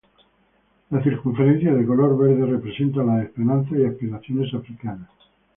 La circunferencia de color verde representa las esperanzas y aspiraciones africanas.